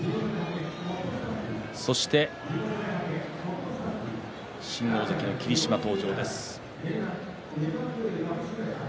そして新大関の霧島登場です。